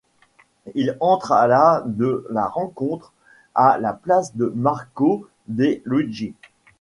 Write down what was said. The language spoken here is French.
Il entre à la de la rencontre, à la place de Marco De Luigi.